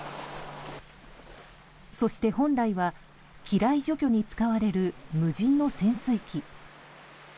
そして、本来は機雷除去に使われる、無人の潜水機。